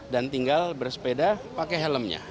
dan tinggal bersepeda pakai helmnya